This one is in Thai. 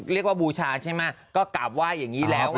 เรียกว่าบูชาใช่ไหมก็กากว่าอย่างนี้แล้ว